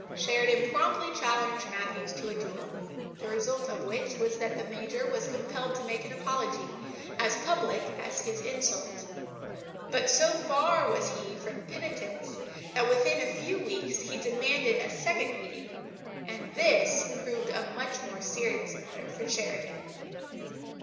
Sheridan promptly challenged Matthews to a duel, the result of which was that the Major was compelled to make an apology, as public as his insult. But, so far was he from penitence, that within a few weeks he demanded a second meeting and this proved a much more serious matter for Sheridan.